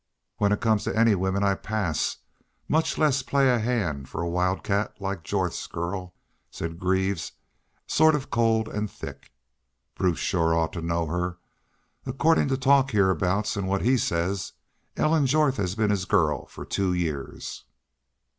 "'When it comes to any wimmen I pass much less play a hand fer a wildcat like Jorth's gurl,' said Greaves, sort of cold an' thick. 'Bruce shore ought to know her. Accordin' to talk heahaboots an' what HE says, Ellen Jorth has been his gurl fer two years.'